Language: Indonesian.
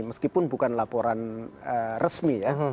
meskipun bukan laporan resmi ya